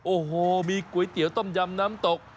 โอ้โหมีก๋วยเตี๋ยวต้มยำน้ำตก